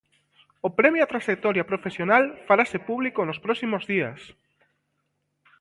O Premio á Traxectoria Profesional farase público nos próximos días.